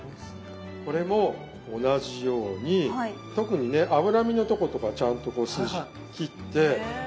これも同じように特にね脂身のとことかはちゃんとこう筋切って。